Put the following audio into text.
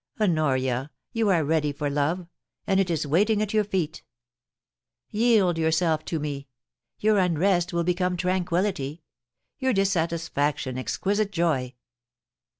Honoria, you are ready for love, and it is waiting at your feet Yield yourself to me — your unrest will become tranquillity — your dissatisfaction exquisite joy.